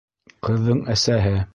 Ҡыҙҙың әсәһе: